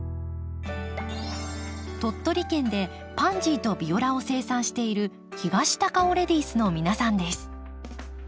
鳥取県でパンジーとビオラを生産している東高尾レディースの皆さんです。